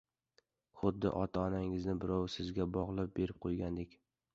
Xuddi ota-onangizni birov sizga bog'lab berib qo‘ygandek.